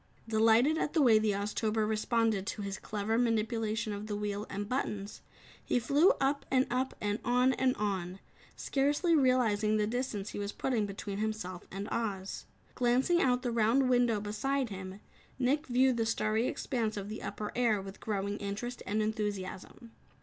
Delighted at the way the Oztober responded to his clever manipulation of the wheel and buttons, he flew up and up and on and on, scarcely realizing the distance he was putting between himself and Oz. Glancing out the round window beside him, Nick viewed the starry expanse of the upper air with growing interest and enthusiasm.